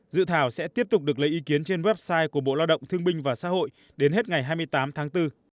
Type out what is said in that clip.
dự thảo sẽ tiếp tục được lấy ý kiến trên website của bộ lao động thương binh và xã hội đến hết ngày hai mươi tám tháng bốn